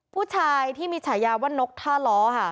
ผู้ชายที่มีฉายาว่านกท่าล้อค่ะ